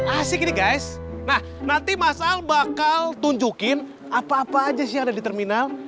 asik nih guys nah nanti mas al bakal tunjukin apa apa aja sih yang ada di terminal